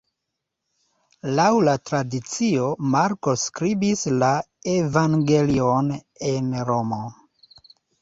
Laŭ la tradicio Marko skribis la evangelion en Romo.